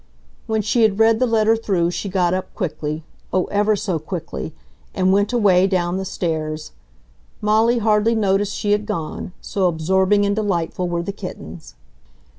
When she had read the letter through she got up quickly, oh ever so quickly! and went away down the stairs. Molly hardly noticed she had gone, so absorbing and delightful were the kittens.